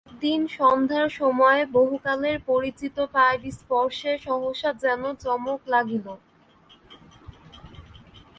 একদিন সন্ধ্যার সময়ে বহুকালের পরিচিত পায়ের স্পর্শে সহসা যেন চমক লাগিল।